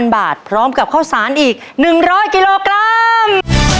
บาทพร้อมกับข้าวสารอีก๑๐๐กิโลกรัม